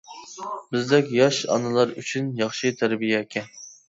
بىزدەك ياش ئانىلار ئۈچۈن ياخشى تەربىيەكەن.